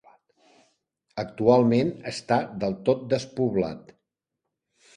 Actualment està del tot despoblat.